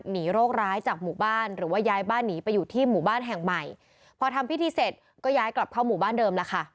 โรคร้ายจากหมู่บ้านหรือว่าย้ายบ้านหนีไปอยู่ที่หมู่บ้านแห่งใหม่พอทำพิธีเสร็จก็ย้ายกลับเข้าหมู่บ้านเดิมแล้วค่ะ